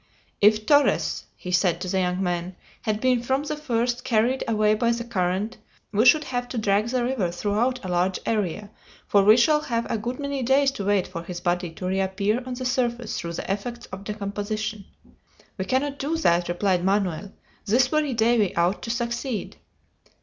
"If Torres," he said to the young men, "had been from the first carried away by the current, we should have to drag the river throughout a large area, for we shall have a good many days to wait for his body to reappear on the surface through the effects of decomposition." "We cannot do that," replied Manoel. "This very day we ought to succeed."